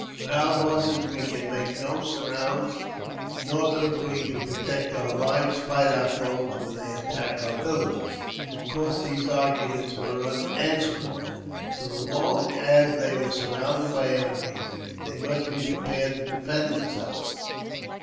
Without I horses we can make no surrounds, nor could we, to protect our t lives, fight our foes when they attack our villages." I Of course these arguments were unanswerable. So long as they were surrounded with enemies, they must be prepared to defend themselves.